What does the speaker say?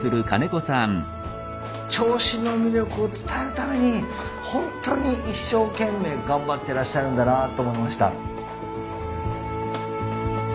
銚子の魅力を伝えるためにホントに一生懸命頑張ってらっしゃるんだなと思いました。